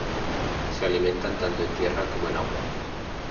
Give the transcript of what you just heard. Se alimentan tanto en tierra como en agua.